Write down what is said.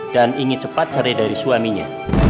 dan ingin cepat cerai dari suaminya